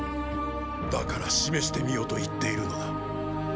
だから示してみよと言っているのだ。